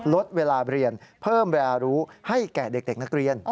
ลดเวลาเรียนเพิ่มเวลารู้ให้แก่เด็กนักเรียน